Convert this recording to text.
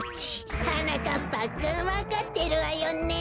はなかっぱくんわかってるわよね？